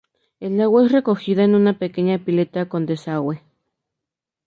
El agua es recogida en una pequeña pileta con desagüe.